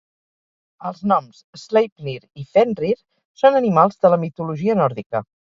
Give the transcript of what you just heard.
Els noms Sleipnir i Fenrir són animals de la mitologia nòrdica.